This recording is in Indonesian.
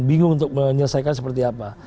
bingung untuk menyelesaikan seperti apa